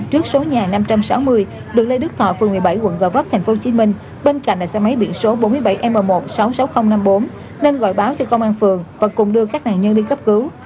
trước số nhà năm trăm sáu mươi được lê lức thọ phường một mươi bảy quận gò vấp thành phố hồ chí minh bên cạnh là xe máy biển số bốn mươi bảy m một sáu mươi sáu nghìn năm mươi bốn nên gọi báo cho công an phường và cùng đưa các nạn nhân đi cấp cứu